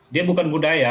dia bukan budaya